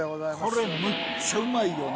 これむっちゃうまいよな。